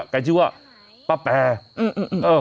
กลายชื่อว่าป้าแปรร์